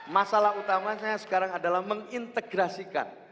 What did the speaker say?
masalah utamanya sekarang adalah mengintegrasikan